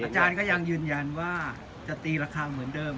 อาจารย์ก็ยังยืนยันว่าจะตีราคาเหมือนเดิม